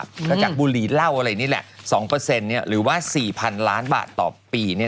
ก็จากบุรีเหล้าอะไรนี่แหละ๒หรือว่า๔๐๐๐ล้านบาทต่อปี